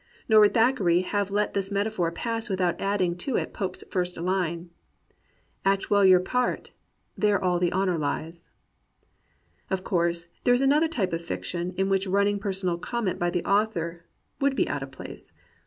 Nor would Thackeray have let this metaphor pass without adding to it Pope's fine Une: Act well your part, there all the honour lies. Of course, there is another typ)e of fiction in which running personal comment by the author would be out of place.